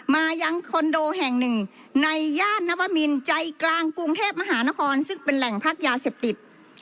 มายังคอนโดแห่งหนึ่งในย่านนวมินใจกลางกรุงเทพมหานครซึ่งเป็นแหล่งพักยาเสพติด